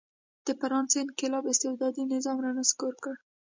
د فرانسې انقلاب استبدادي نظام را نسکور کړ.